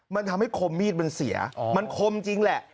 มันทำให้คมมีดมันเสียมันคมจริงแหละ